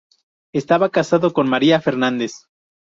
Estaba casado con María Fernandez.